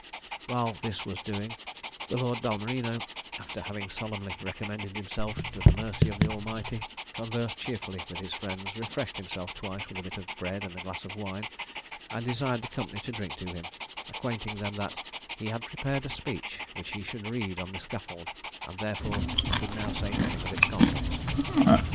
While this was doing, the Lord Balmerino, after having solemnly recommended himself to the mercy of the Almighty, conversed cheerfully with his friends, refreshed himself twice with a bit of bread and a glass of wine, and desired the company to drink to him, acquainting them that "he had prepared a speech, which he should read on the scaffold, and therefore should now say nothing of its contents."